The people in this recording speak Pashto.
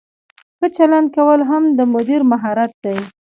ښه چلند کول هم د مدیر مهارت دی.